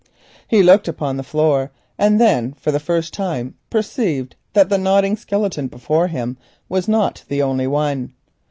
He looked upon the floor, and then for the first time saw that the nodding skeleton before him was not the only one.